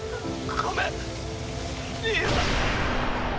ごめん。